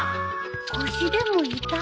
腰でも痛いの？